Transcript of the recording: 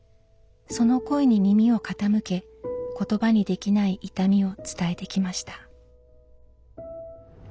その声に耳を傾け言葉にできない痛みを伝えてきました。